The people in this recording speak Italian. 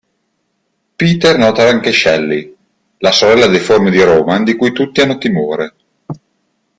Peter nota anche Shelley; la sorella deforme di Roman di cui tutti hanno timore.